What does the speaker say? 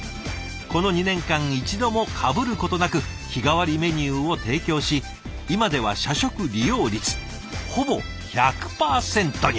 この２年間一度もかぶることなく日替わりメニューを提供し今では社食利用率ほぼ１００％に。